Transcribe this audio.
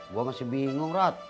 gue masih bingung rot